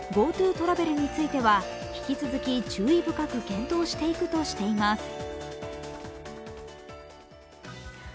ＧｏＴｏトラベルについては引き続き、注意深く検討していくとしています。